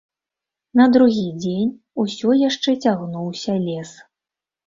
На другі дзень усё яшчэ цягнуўся лес.